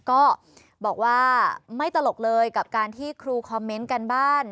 ก็บอกว่าไม่ตลกเลยกับการที่ครูคอมเมนต์กันบ้าน